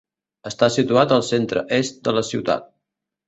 Està situat al centre est de la ciutat.